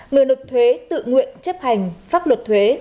người nộp thuế tự nguyện chấp hành pháp luật thuế